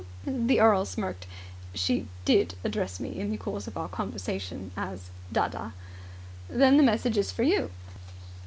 The earl smirked. "She did address me in the course of our conversation as dadda." "Then the message is for you."